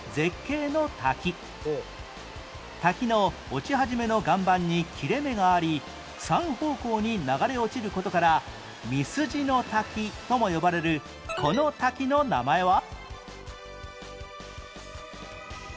滝の落ち始めの岩盤に切れ目があり３方向に流れ落ちる事から三筋の滝とも呼ばれるこの滝の名前は？